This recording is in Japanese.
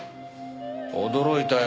驚いたよ。